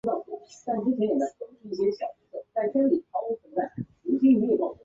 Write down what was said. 樱美林大学短期大学部是过去一所位于日本东京都町田市的私立短期大学。